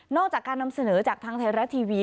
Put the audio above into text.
จากการนำเสนอจากทางไทยรัฐทีวี